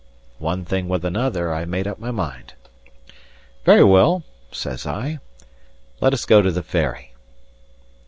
One thing with another, I made up my mind. "Very well," says I, "let us go to the Ferry."